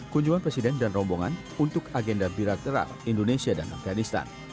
kunjungan presiden dan rombongan untuk agenda bilateral indonesia dan afganistan